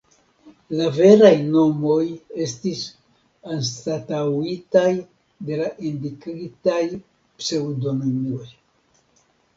La veraj nomoj estis anstataŭitaj de la indikitaj pseŭdonimoj.